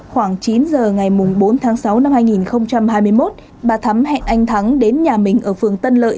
khoảng chín giờ ngày bốn tháng sáu năm hai nghìn hai mươi một bà thắm hẹn anh thắng đến nhà mình ở phường tân lợi